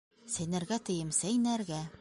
Сәйнәргә, тием, сәйнәргә!